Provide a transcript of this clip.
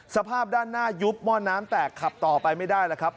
สภาพด้านหน้ายุบหม้อน้ำแตกขับต่อไปไม่ได้แล้วครับ